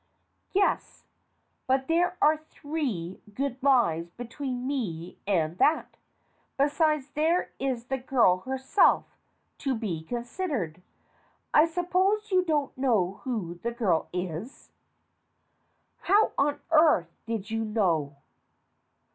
Yes ; but there are three good lives between me and that. Besides, there is the girl herself to be considered. I suppose you don't know who the girl is ? How on earth did you know?